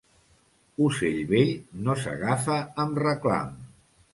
Ocell vell no s'agafa amb reclam.